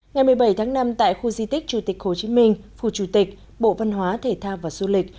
ngày một mươi bảy tháng năm tại khu di tích chủ tịch hồ chí minh phủ chủ tịch bộ văn hóa thể thao và du lịch